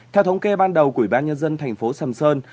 theo thống kê ban đầu của bán nhân dân thành phố sầm sơn